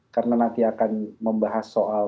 karena nanti akan membahas soal